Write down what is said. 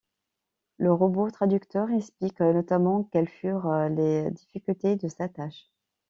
Le robot-traducteur explique notamment quelles furent les difficultés de sa tâche.